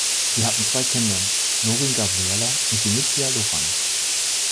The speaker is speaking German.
Sie hatten zwei Kinder, Lorin Gabriella und Venezia Loran.